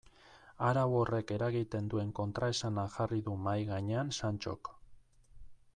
Arau horrek eragiten duen kontraesana jarri du mahai gainean Santxok.